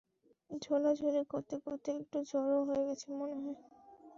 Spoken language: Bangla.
ঝোলাঝুলি করতে করতে একটু জড় হয়ে গেছে মনে হয়।